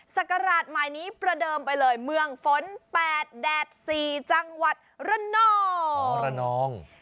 ศักราชใหม่นี้ประเดิมไปเลยเมืองฝน๘แดด๔จังหวัดระนองระนอง